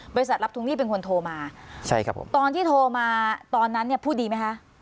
บริษัทรับทวงหนี้เป็นคนโทรมาใช่ครับผมตอนที่โทรมาตอนนั้นเนี่ยพูดดีไหมคะ